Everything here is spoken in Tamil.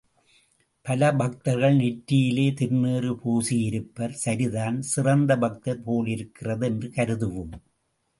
பல பக்தர்கள் நெற்றியிலே திருநீறு பூசியிருப்பர் சரிதான், சிறந்த பக்தர் போலிருக்கிறது என்று கருதுவோம்.